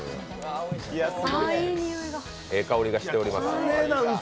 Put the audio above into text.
ええ香りがしています。